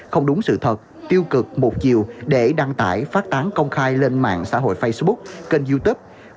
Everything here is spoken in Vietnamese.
không đúng sự thật tiêu cực một chiều để đăng tải phát tán công khai lên mạng xã hội facebook kênh youtube